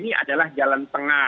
ini adalah jalan tengah